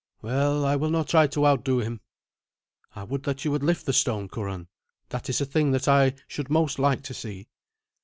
"Well, I will not try to outdo him." "I would that you would lift the stone, Curan. That is a thing that I should most like to see."